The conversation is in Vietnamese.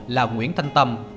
là nguyễn thanh tâm